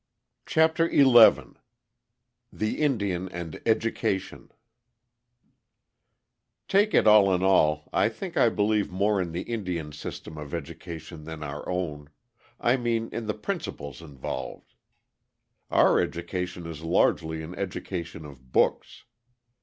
CHAPTER XI THE INDIAN AND EDUCATION Take it all in all, I think I believe more in the Indian's system of education than our own, I mean, in the principles involved. Our education is largely an education of books.